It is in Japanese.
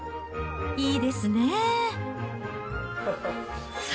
いいですね。